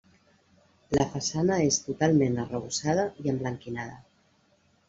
La façana és totalment arrebossada i emblanquinada.